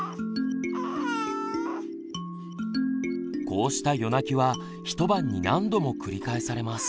こうした夜泣きは一晩に何度も繰り返されます。